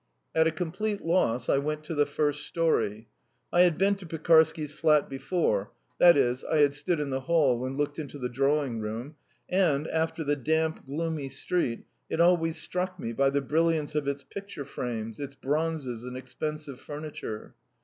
At a complete loss, I went to the first storey. I had been to Pekarsky's flat before that is, I had stood in the hall and looked into the drawing room, and, after the damp, gloomy street, it always struck me by the brilliance of its picture frames, its bronzes and expensive furniture.